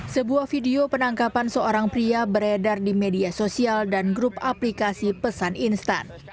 sebuah video penangkapan seorang pria beredar di media sosial dan grup aplikasi pesan instan